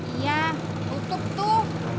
iya tutup tuh